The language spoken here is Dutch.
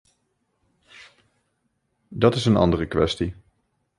Dat is een andere kwestie.